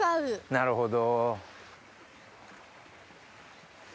なるほど。